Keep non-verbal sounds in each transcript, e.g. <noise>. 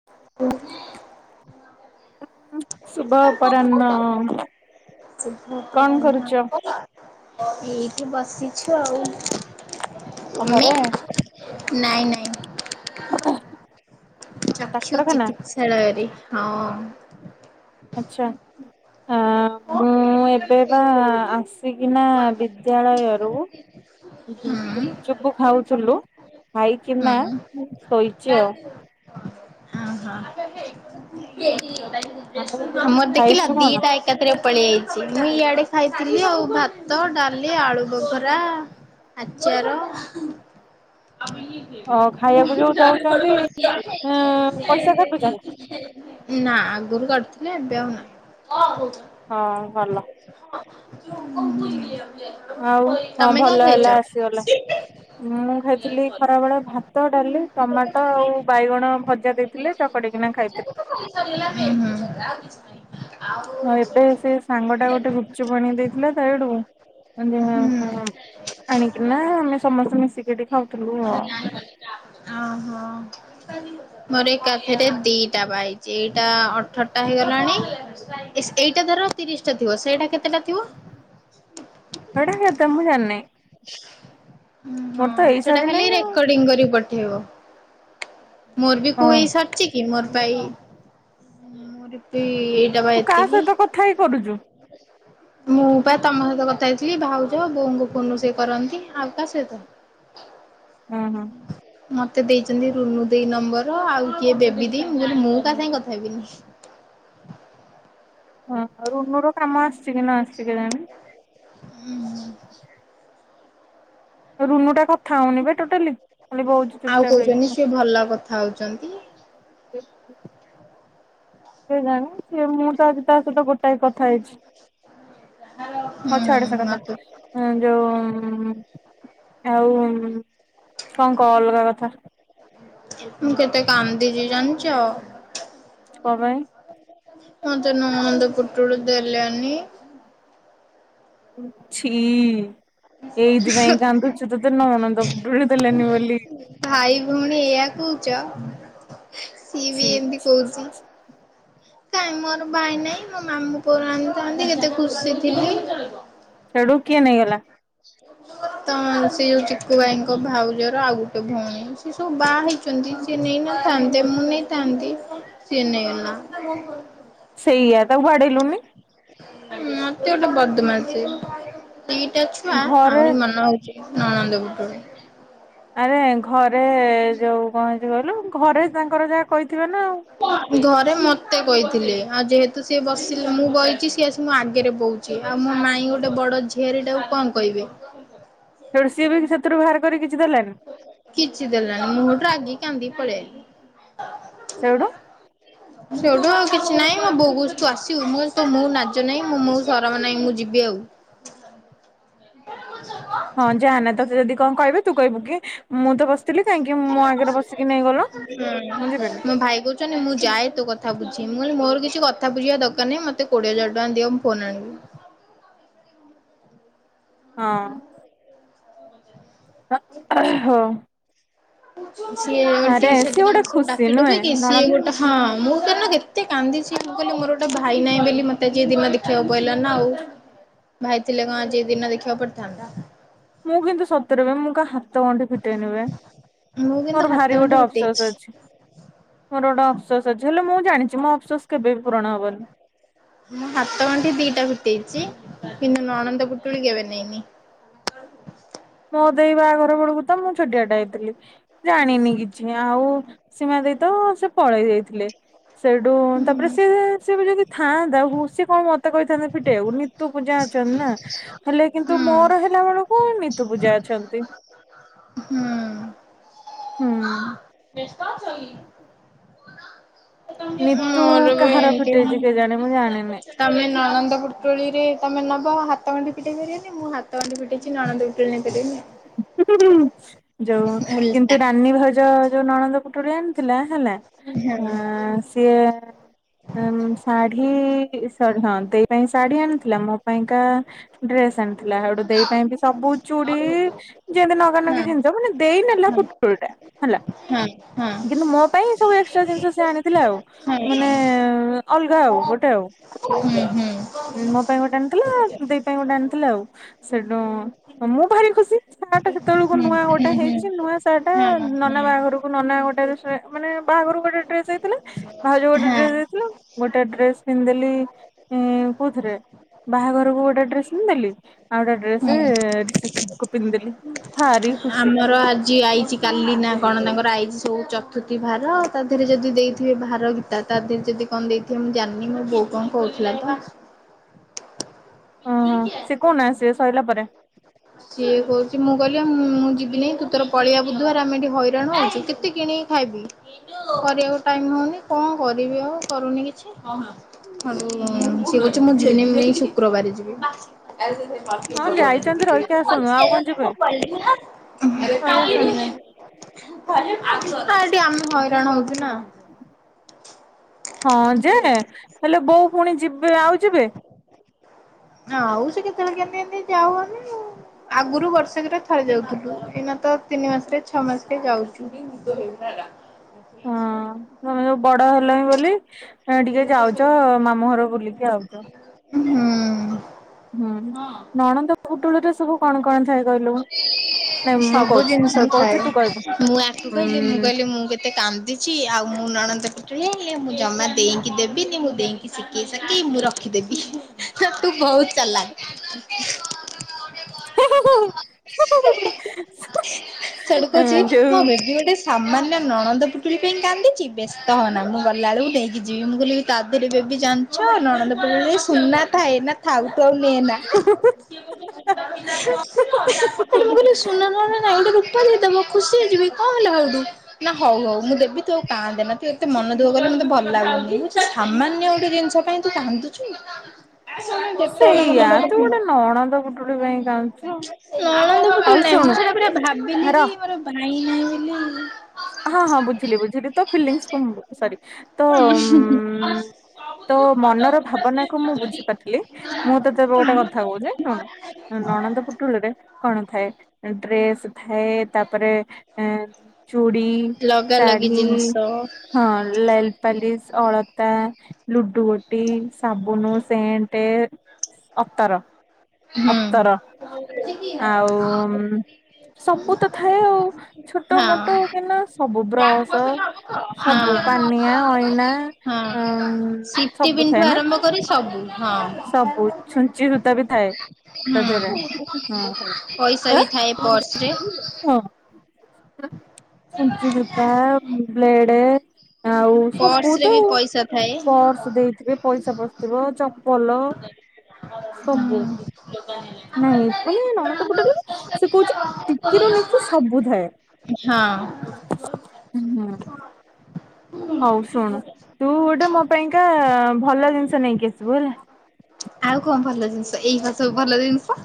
<inaudible> <unintelligible> ଶୁଭ ଅପରାହ୍ନ କଣ କରୁଛ? ଏଇଠି ବସିଛୁ ଆଉ। ଅମି ଘରେ ନାଇଁ ନାଇଁ। ଚକ୍ଷୁ ଡାକ୍ତରଖାନା ଚିକିତ୍ସାଳୟରେ ହଁ। ଆଚ୍ଛା। ଆ ମୁଁ ଏବେ ବା ଆସିକିନା ବିଦ୍ୟାଳୟରୁ। ହୁଁ ହୁଁ ଗୁପୁଚୁପ ଖାଉଥିଲୁ ଖାଇକିନା ହଁ ଶୋଇଛି ଆଉ। ହଁ। ଆଉ ଆମର ଦେଖିଲ ଖାଇଛୁ କଣ? ଦିଟା ଏକାଥରେ ପଳେଇ ଆଇଚି ମୁଁ ଇଆଡେ ଖାଇଥିଲି ଆଉ ଭାତ ଡାଲି ଆଳୁ ବଘରା। ଆଚାର। <unintelligible> ଖାଇବାକୁ ଯୋଉ <unintelligible> ଦଉଛନ୍ତି ନା ଆଗରୁ ପଇସା କାଟୁଛନ୍ତି କାଡ଼ୁଥିଲି ଏବେ ଆଉ ନା। ହଁ ଭଲ। <unintelligible> ଆଉ ହଁ ତମେ କଣ ଭଲ ହେଲା ଖାଇଛ? ଆସିଗଲା। ମୁଁ ଖାଇଥିଲି ଖରାବେଳେ ଭାତ ଡାଲି ଟମାଟ ଆଉ ବାଇଗଣ ଭଜା ଦେ ଥିଲେ ଚକଡ଼ିକିନା ଏଇଟା ଖାଇଥିଲୁ। ତ ଖାଲି ହୁଁ। ଆଉ ଏବେ ସେ ସାଙ୍ଗ ଟା ଗୋଟେ ଗୁପ୍ ଚୁପ୍ ଆଣି କି ଦେଇଥିଲା ତା ଏଇଠୁ ତ ଉଁ। ଆଣିକିନା ଆମେ ସମସ୍ତେ ମିଶିକିଡି ଖାଉଥିଲୁ ଆଉ ଆ ହଁ ମୋର ଏକାଥିରେ ଦିଟା ବା ଆଇଚି ଏଇଟା ଅ ଅଠର‌ ଟା ହେଇଗଲାଣି ଇସ୍ ଏଇଟା ଦର ତିରିଶ୍ ଥିବ ସେଇଟା କେତେଟା ଥିବ। ଏଡ଼ା କେତେ ମୁଁ ଜାଣିନି। ଉଁ ହଁ ମୋର ତ ଏଇ ସେଟା ସରି ଖାଲି ନାଇଁ ଆଉ ରେକଡ଼ିଙ୍ଗ୍ କରି ପ ଠେଇବ ମୋର୍ ବି କୋଉ ହଁ ଏଇ ସାରିଛି କି। କି ମୋର ତାଇ ମୋର ବି ଏଇଟା ବା ତୁ କାହା ଏତିକି। ସହିତ କଥା ହେଇ କରୁଛୁ ମୁଁ ବା ତମ ସହିତ କଥା ହେଇଥିଲି ଭାଉଜ ବୋଉଙ୍କୁ ଫୋନ୍ ରୁ ସେ କରନ୍ତି ଆଉ କା ସହିତ। ଓ ହଁ। ମତେ ଦେଇଚନ୍ତି ରୁନୁ ଦେଇ ନମ୍ବର ଆଉ କିଏ ବେବି ଦେଇ ମୁଁ କଇଲି ମୁଁ କା ସାଙ୍ଗେ କଥା ହେବିନି। ହଁ ରୁନୁ ର କାମ ଆସିଛି କି ନ ଆସିଛି କେଜାଣି। ଉଁ। ରୁନୁ ଟା କଥା ହଉନି ବେ ଟୋଟାଲି। ଖାଲି ବଉଚି ଆଉ ଚୁପଚାପ କଉଚନ୍ତି ହେଇକି ସିଏ ଭଲ କଥା ହଉଛନ୍ତି। <inaudible> କେଜାଣି ସିଏ ମୁଁ ତ ସହିତ ତା ସହିତ ଗୋଟାଏ କଥା ହେଇଛି। ହଁ ହୁଁ ଛାଡ ସେ କଥା। ମତେ ହୁଁ ଯୋଉ ଆଉ କଁ କ ଅଲଗା କଥା। ମୁଁ କେତେ କାନ୍ଦିଚି ଜାଣିଚ। କଁ ପାଇଁ। ମତେ ନଣନ୍ଦ ପୁଟଳି ଦେଲେନି। ଉଁ ଛି ଏଇତି ପାଇଁ କାନ୍ଦୁଚୁ ତତେ ନଣନ୍ଦ ପୁଟୁଳି ଦେଲେନି ବୋଲି। ଭାଇ ଭଉଣୀ ଏୟା କୁଚ। ସିଏ ବି ଛି ଏମ୍ତି ଛି ଛି କୋଉଚି। ଛି ନାଇଁ ମୋର ଭାଇ ନାଇଁ ମୋ ମାମୁଁ ପୁଅରୁ ଆଣିଥାନ୍ତି କେତେ ଖୁସି ଥିଲି। ସେଡ଼ୁ କିଏ ନେଇଗଲା। ତମ ସେଇ ଯୋଉ ଚିକୁୁ ଭାଇଙ୍କ ଭାଉଜର ଆଉ ସେ ଭଉଣୀ ସେ ସବୁ ବାହା ହେଇଛନ୍ତି ସେ ନେଇ ନଥାନ୍ତେ ମୁଁ ନେଇଥାନ୍ତି! ସିଏ ନେଲା। ସେଇଆ ତାକୁ ଵାଡେଇଲୁନି। ମ ଅତି ଗୋଟେ ବଦମାସି ଦିଟା ଛୁଆ ଘରେ ଆହୁରି ମନ ହଉ ଚି ନଣନ୍ଦ ପୁଟୁଳି। ଆରେ ଘରେ ଯୋଉ କଣ ହେଇଚି କହିଲୁ ଘରେ ତାଙ୍କର ଯାହା କହିଥିବେ ନା ଆଉ। ଘରେ ମତେ କହିଥିଲେ ଆଉ ଯେହେତୁ ସିଏ ବସିଲେ ମୁଁ ବଇଚି ସିଏ ଆସି ମୋ ଆଗରେ ବଉ ଚି ଆଉ ମୋ ମାଇଁ ଗୋଟେ ବଡ ଝିଆରୀ ଟାକୁ କଣ କହିବେ। ସେଇଠୁ ସିଏ ବି ସେଥିରୁ ବାହାର କରି କିଛି ଦେଲାନି। କିଛିି ଦେଲାନି ମୁଁ ହେଇଟୁ ରାଗିକି କାନ୍ଦି ପଳେଇ ଆଇଲି। ସେଉଠୁ? ସେଉଠୁ ଆଉ କିଛି ନାଇଁ ମୋ ବୋଉ କୋଉଚି ତୁ ଆସିବୁ ମୁଁ କଇଲି ତୋ ମୁଁହ କୁ ନାଜ ନାଇଁ ମୁଁହକୁ ସରମ ନାଇଁ ମୁଁ ଯିବି ଆଉ। ହଁ ଯାଆନା ତତେ ଯଦି କଣ କହିବେ ତୁ କହିବୁ କି ମୁଁ ତ ବାସ୍ ହୁଁ ମୁଁ ଯିବିନି ମୋ ଭାଇ କୋ ଉଚନ୍ତି ମୁଁ ଯାଏ ତୋ କଥା ବୁଝିବି ମୁଁ କହିଲି ମୋର କିଛି କଥା ବୁଝିବା ଦରକାର ନାହି ମତେ କୋଡିଏ ହଜାର ଟଙ୍କା ଦିଅ ମୁଁ ଫୋନ ଆଣିବି। ହଁ। ହଁ। ସିଏ ଓଲ୍ଟି ସେ ସିଏ ଦିନ ଗୋଟେ ମତେ ସବୁ ଖୁସି ଡାକି ନୁହେଁ ଡୁକିକି ସିଏ ନଣନ୍ଦ ଗୋଟେ ହଁ ମୁଁ ତ ତ ଯେତେ କାନ୍ଦିଛି ମୁଁ କହିଲି ମୋର ଗୋଟ ଭାଇ ନାଇଁ ବୋଲି ମତେ ଆଜି ଏ ଦିନ ଦେଖିବାକୁ ପଇଲା ନା ଆଉ। ଭାଇ ଥିଲେ କଣ ଆଜି ଏ ଦିନ ଦେଖିବାକୁ ପଡିଥାନ୍ତ। ମୁଁ କିନ୍ତୁ ସତରେ ମୁଁ କାହା ହାତଗଣ୍ଠି ଫିଟେଇନି ବେ ମୁଁ କିନ୍ତୁ ମୋର ହାତ ଭାରି ଗଣ୍ଠି ଗୋଟେ ଫିଟେଇଛି। ଅବସୋଷ ଅଛି। ମୋର ଗୋଟେ ଅବସୋସ୍ ଅଛି ହେଲେ ମୁଁ ଜାଣିଛି ମୋ ଅବସୋସ୍ କେବେ ବି ପୂରଣ ହବନି। ମୁଁ ହାତ ଗଣ୍ଠି ଦିଟା ଫିଟେଇଚି କିନ୍ତୁ ନଣନ୍ଦ ପୁଟୁଳି କେବେ ନେଇନି। ମୋ ଦେଇ ବାହାଘର ବେଳକୁ ତ ମୁଁ ଛୋଟିଆଟେ ହେଇଥିଲି ଜାଣିନି କିଛି ଆଉ ସୀମା ଦେଇ ତ ସେ ପଳେଇ ଜାଇଥିଲେ। ସେଇଠୁ ତାପରେ ହୁଁ ସିଏ ସିଏ ଵି ଯଦି ଥାଆନ୍ତା ହଁ ସିଏ କଣ ମତେ କହିଥାନ୍ତ ଫିଟେଇବାକୁ ନି ତୁ ପୂଜା ଅଛନି ନା। ହ ହେଲେ <inaudible> କିନ୍ତୁ ମୋର ହେଲା ବେଳକୁ ନି ତୁ ପୂଜା ଅଛନ୍ତି ହୁଁ। ବେସ୍ତ ଅଛ କି? ନିତୁ ମୋର ବି କାହାର ଫିଟେଇଛି କେଜାଣି ମୁଁ ଜାଣିନି। ଏମିତି ତମେ ନଳନ୍ଦ ପୁଟ୍ରଳି ରେ ତମେ ନବ ହାତ ଗଣ୍ଠି ଫିଟେଇ ପାରିବନି ମୁଁ ହାତ ଗଣ୍ଠି ଫିଟେଇଛି ନଣନ୍ଦ ଇ <inaudible> ଯୋଉ କିନ୍ତୁ ଓଲଟା। ରାନୀ ଭାଉଜ ଯୋଉ ନଣନ୍ଦ ପୁଟୁଳି ଆଣିଥିଲା ହେଲା। ଆମର ହଁ ସିଏ ଅ ନ ଶାଢୀ ଶାଢ଼ୀ ହଁ ଦେଇ ପାଇଁ ଶାଢ଼ୀ ଆଣିଥିଲା ମୋ ପାଇଁକା ଡ୍ରେସ ଆଣିଥିଲା ହେଇଠୁ ଦେଇ ପାଇଁ ବି ସବୁ ଚୁଡି ଯେମତି ନଗାନଗି ଜିନିଷ ମାନେ ଦେଇ ନେଲା ପୁଟୁଳି ଟା ହେଲା। ହଁ ହଁ। କିନ୍ତୁ ମୋ ପାଇଁ ସବୁ ଏକ୍ସଟ୍ରା ଜିନିଷ ସିଏ ଆଣିଥିଲା ଆଉ। ମାନେ ଅଲଗା ଆଉ ଗୋଟେ ଆଉ। ହୁଁ ହୁଁ। ହୁଁ ମୋ ପାଇଁ ଗୋଟେ ଆଣିଥିଲା ଦେଇ ପାଇଁ ଗୋଟେ ଆଣିଥିଲା ଆଉ ସେଠୁ ମୁଁ ଭାରି ଖୁସି। ସାର୍ଟ ସେତେବେଳକୁ ନୂଆ ଗୋଟେ ହେଇଚି ନୂଆ ସାର୍ଟ ଟା ନନା ବାହାଘରକୁ ନନା ଗୋଟେ ମାନେ ବାହାଘର ଗୋଟେ ଡ୍ରେସ ହେଇଥିଲା ଭାଉଜ ଗୋଟେ ଡ୍ରେସ ଦେଇଥିଲା। ଗୋଟେ ଡ୍ରେସ ପିନ୍ ଦେଲି ଉଁ। କଉଥିରେ ବାହାଘରକୁ ଗୋଟେ ଡ୍ରେସ ପିନ୍ ଦେଲି ଆଉ ଗୋଟେ ଡ୍ରେସ ରିସେପସନ କୁ। ପିନ୍ ଦେଲି ହୁଁ ଭାରି ଖୁସି ଆମର ଆଜି ଆଇଚି କାଲି ନା କଣ ତାଙ୍କର ଆଇଜି ସବୁ ଚତୁର୍ଥୀ ଭାର ତା ଧିଅରେ ଯଦି ଦେଇଥିବେ ଭାର ଗୀତା ତା ଧିଅରେ ଯଦି କଣ ଦେଇଥିବ କିଏ ମୁଁ ଜାଣିନି ମୋ ବୋଉ କଣ କଉଥିଲା ତ ହଁ ସେ କୋଉନା ସେ ସଇଲା ପରେ ସିଏ କଉଚି ମୁଁ କଇଲି ଆଉ ମୁଁ ଯିବିନେଇ ତୁ ତୋର ପଳିଆ ବୁଧୁ ବାର ଆମେ ଏଠି ହଇରାଣ ହଉଛୁ କେତେ କିଣି ଖାଇବି କରିବାକୁ ଟାଇମ୍ ହଉନି କଅଁ କରିବି ଆଉ କରୁନି କିଛି। ହଁ ଯୋଉ, ସିଏ କୋଉଚି ମୁଁ ଜିନିମି ନେଇ ଶୁକ୍ରବାରେ ଯିବି। ହଁ ଯାଇଛନ୍ତି ରହିକି ଆସନ୍ତୁ ଆଉ କଣ ଯିବେ ରହି ଆସନ୍ତେ <unintelligible> ହଁ ଏଠି ଆମେ ହଇରାଣ ହଉଚୁ ନା। ହଁ ଯେ ହେଲେ ବୋଉ ପୁଣି ଯିବେ ଆଉ ଯିବେ? ନା ଆଉ ସେ କେତେବେଳେ କେମତି ଏମତି ଯାଉଅନି ଆଉ। ଆଗରୁ ବର୍ଷକରେ ଥରେ ଯାଉଥିଲୁ। ଏଇନା ତ ତିନି ମାସ ରେ ଛଅ ମାସରେ ଯାଉଚୁ। <inaudible> ହଁ ତମେ ଆଉ ବଡ ହେଲଣି ବୋଲି ଏଁ ଟିକେ ଯାଉଚ ମାମୁଁ ଘର ବୁଲିକି ଆାଉଚ ହୁଁ ହୁଁ ନଣନ୍ଦ ପୁଟୁଳିରେ ସବୁ କଣ କଣ ଥାଏ? କହିଲୁ? ନାଇଁ ମୁଁ ସବୁ କହୁଛି ଜିନିଷ ମୁଁ କହୁଛି ଥାଏ। ତୁ କହିବୁ ମୁଁ ଆକୁ କଇଲି ମୁଁ ଉଁ କଇଲି ମୁଁ କେ ସେ କାନ୍ଦିଚି ଆଉ ମୁଁ ନଣନ୍ଦ ପୁଟୁଳି ଆଣିଲେ ମୁଁ ଜମା ଦେଇନି। କି ଦେବିନି। ମୁଁ ଦେଇଙ୍କି ଶିକେଇ ସକେଇ ମୁଁ ରଖିଦେବି ତୁ ବହୁତ୍‌ ଚଲାଖ୍। <inaudible> ସିଆଡୁ ଅ କୋଉଚି ଯୋଉ ମୋ ବେବି ଗୋଟେ ସ ସାମାନ୍ୟ ନଣନ୍ଦ ପୁଟୁଲି ପାଇଁ କାନ୍ଦିଚି। ବ୍ୟସ୍ତ ହଅନା ମୁଁ ଗଲାବେଳୁକୁ ନେଇକି ଯିବି ମୁଁ କଇଲି ତାଧେରେ ବେବି ଜାଣି ହଁ ନଣନ୍ଦ ପେଡି ସୁନା ଥାଏ। ନା ଥାଉ ତୁ ଆଉ ନେନା। ସେଠୁ ମୁଁ କଇଲି ସୁନା ନ ହେଲା ନାଇଁ ଗୋଟେ ରୂପା ଦେଇଦବ ଖୁସି ରେ ଯିବି କଅଁ ହେଲା ହେଉଟୁ। ନା ହଉ ହଉ ମୁଁ ଦେବି ତୁ ଆଉ କାଁନ୍ଦେନା। ତୁ ଏତେ ମନ ଦୁଃଖ କଲେ ମୋତେ ଭଲ୍‌ଲାଗୁନି ତୁଚ୍ଛା ସାମାନ୍ୟ ଗୋଟେ ଜିନିଷ ପାଇଁ ତୁ କାନ୍ଦୁଛୁ? ଯେତେବେଳେ ମତେ ସେଇଆା ତୁ ଗୋଟେ ନଣଦ ପୁଟୁଳି ପାଇଁ କାନ୍ଦୁଛୁ? ନଣନ୍ଦ ଆଉ ପୁଟୁଳି ନାଇଁ ମୁଁ ଶୁଣୁ ସେଟା ପୁରା ଭାବିଲି କି ରହ ମୋର ଭାଈ ନାହିଁ ବୋଲି ହଁ ହଁ ବୁଝିଲି ବୁଝିଲି ତୋ ଫିଲିଙ୍ଗସ କୁ ମୁ ସରି ତୋ ହୁଁ। ତୋ ମନର ଭାବନାକୁ ମୁଁ ବୁଝି ପାରୁଥିଲି। ମୁଁ ତତେ ଗୋଟେ କଥା କଉଛି ଶୁଣୁ। ହଁ ନଣନ୍ଦ ପୁଟୁଳି ରେ କଣ ଥାଏ? ଡ୍ରେସ୍ ଥାଏ ତାପ୍ ରେ ଏ ଚୁଡି ଲଗା ଲଗି ଶାଢୀ ଜିନିଷ ହୁଁ ହଁ ଲେଲପାଲିସ୍ ଅଳତା। ଲୁଡୁ ଗୋଟି, ସାବୁନୁ ସେଣ୍ଟେ ଅତର। ହଁ। ଅତର। ଆଉ ସବୁ ତ ଥାଏ। ଆଉ ଛୋଟ ହଁ ମୋଅ ଟ କିନା ସବୁ ବ୍ରଶ। ସବୁ ପାନିଆ ଅଇନା ହଁ। ଉଁ ସିଟି ସବୁ ପିନ୍ଠୁ ଥାଏ ନା। ଆରମ୍ଭ କରି ସବୁ ହଁ। ସବୁ ଛୁଞ୍ଚି ସୁତା ବି ଥାଏ। ହୁଁ ତଧେରେ ହଁ। ଆଁ ହଁ। ପଇସା ବି ଥାଏ ପର୍ସରେ ଆଁ ଛୁଞ୍ଚି ସୁତା ବ୍ଲେଡେ ଆଉ ସବୁ ପର୍ସରେ ତ ବି ପଇସା ଥାଏ ପର୍ସ ଦେଇଥିବେ ପଇସା ପସିଥିବ ଚପ ପଲ ସବୁ ନାଇଁ ମାନେ ନଣନ୍ଦ ପୁଟୁଳିରେ ସେ କହୁଚି କି ଟିକିରୁ ନିଖୀ ସବୁ ଥାଏ। ହଁ। ହୁଁ। ହୋଉ ଶୁଣ ତୁ ଗୋଟେ ମୋ ପାଇଁକା ଭଲ ଜିନିଷ ନେଇକି ଆସିବୁ ହେଲା। ଆଉ କଣ ଭଲ ଜିନିଷ ଏଇ ପା ସବୁ ଭଲ ଜିନିଷ।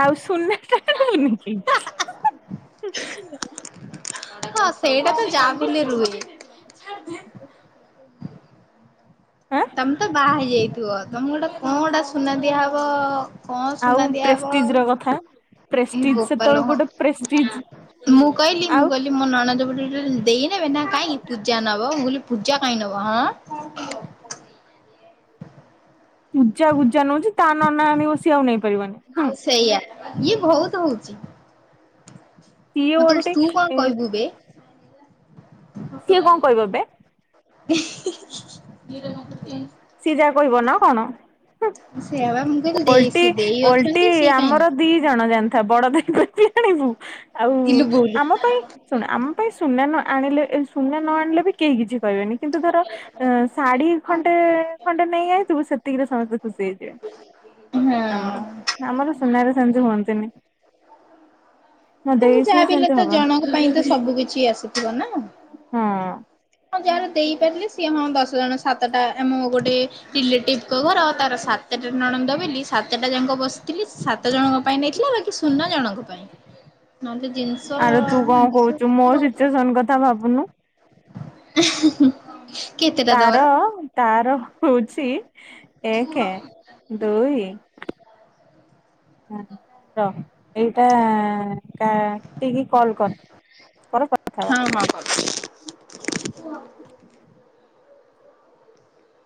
ଆଉ ସୁନା ଟା ଆଣିବୁନିକି? ହଁ ସେଇଟା ତ ଯାହାବି ହେଲେ ରୁହେ। ଆଁ ତମେ ତ ବାହା ହେଇଯାଇଥିବ ତମେ ଗୋଟେ କଣ ଗୋଟା ସୁନା ଦିଆ ହବ କଣ ଆଉ ସୁନା ଦିଆ ହବ ପ୍ରେଷ୍ଟିଜ ର କଥା। ଏ ପ୍ରେଷ୍ଟିଜ ବୋପାଲୋ ସେତେବେଳକୁ ହଁ ଗୋଟେ ପ୍ରେଷ୍ଟିଜ ମୁଁ କହଲି ମୁଁ ଆଉ କହିଲି ମୋ ନଣଦପୁଟୁଳି ଦେଇନେବେ ନା କାଇଁକି ପୂଜା ନବ ମୁଁ କହିଲି ପୂଜା କାଇଁ ନବ ଆଁ ପୂଜା ଗୁଜା ନୋଉଛି ତା ନନା ଆଣିବ ସିଏ ଆଉ ନେଇ ପାରିବନି। ଆଉ ସେଇଆ ଇଏ ବହୁତ ହୋଉଛି। ସିଏ ମତେ ଓଲଟି କହୁଛି ତୁ କଣ କହିବୁ ବେ। ସିଏ କଣ କହିବ ହିଁ ବେ ହିଁ ହିଁ। ସିଏ ଯାହା କହିବ ନା କଣ? ସେଇୟାପା ମୁଁ କହିଲି ଦେଇ ଓଲ୍‌ଟି ସିଏ ଦେଇ ଓଲ୍‌ଟି ଅଛନ୍ତି ସିଏ କାହିଁ ଆମର ନେବେ। ଦି ଜଣ ଜାଣିଥା ବଡ ଦେଈ ବେଟୀ ଆଣିବୁ ଆଉ ଇଲୁ ବୋଉଲୁ ଆମ ପାଇଁ ଶୁଣ ଆମ ପାଇଁ ସୁନା ନ ଆଣିଲେ ସୁନା ନ ଆଣିଲେ ବି କେହି କିଛି କହିବେନି କିନ୍ତୁ ଧର ଆଁ ଶାଢୀ ଖଣ୍ଡେ ଖଣ୍ଡେ ନେଇଆ ଥିବୁ ସେତିକିରେ ସମସ୍ତେ ଖୁସି ହେଇଯିବେ। ହଁ। ଆମର ଆମର ସୁନାରେ ସେମିତି ହୁଅନ୍ତିନି। ମୋ ଦେଇ କିନ୍ତୁ ସିଏ ଯାହାବି ହେଲେ ସେମିତି ତ ହବନି ଜଣଙ୍କ ପାଇଁ ତ ସବୁ କିଛି ଆସିଥିବ ନା। ହଁ। ହଁ ଯାହାର ଦେଇପାରିଲେ ସିଏ ହଁ ଦଶ ଜଣ ସାତଟା ଏ ମୁଁ ଗୋଟେ ରିଲେଟିଭଙ୍କ ଘର ତାର ସାତଟା ନଣନ୍ଦ ବୋଲି ସାତଟା ଯାକ ବସିଥିଲି ସାତ ତ ଜଣଙ୍କ ପାଇଁ ନେଇଥିଲା ବାକି ସୁନା ଜଣଙ୍କ ପାଇଁ। ନହେଲେ ଜିନିଷ ଏମିତି ସବୁ <unintelligible> ଙ୍କ କଥା ଭାବୁନୁ। ହା ହିଁ ହିଁ। ତାର ତାର ହୋଉଛି ଏକ ଦୁଇ ର ଏଇଟା କାଟିକି କଲ୍ କର। କର କଥା ହବା। ହଁ ହଁ ହୋଉ।